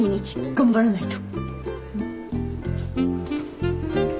頑張らないと。